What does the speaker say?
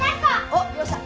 おっよっしゃ！